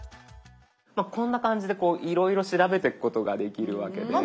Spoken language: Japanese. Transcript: こんな感じでいろいろ調べていくことができるわけです。